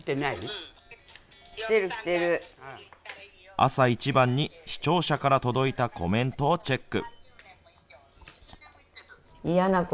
朝一番に視聴者から届いたコメントをチェック。